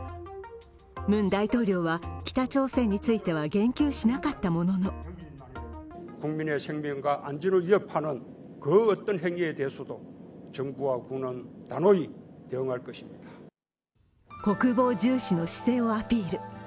ムン大統領は北朝鮮については言及しなかったものの国防重視の姿勢をアピール。